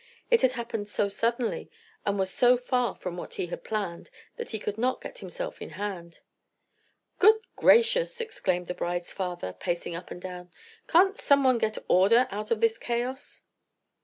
It had happened so suddenly, and was so far from what he had planned, that he could not get himself in hand. "Good gracious!" exclaimed the bride's father, pacing up and down, "can't someone get order out of this chaos?"